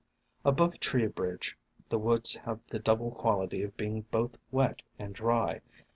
Above Tree Bridge the woods have the double quality of being both wet and dry.